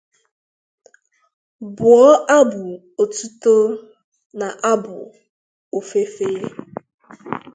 bụọ abụ otuto na abụ ofufe